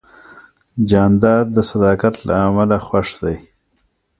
جانداد د صداقت له امله خوښ دی.